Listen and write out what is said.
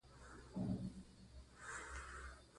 زغال د افغانانو د ژوند طرز اغېزمنوي.